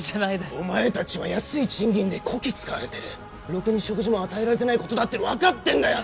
お前達は安い賃金でこき使われてるろくに食事も与えられてないことだって分かってんだよ